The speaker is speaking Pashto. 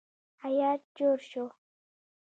هیات جوړ شو.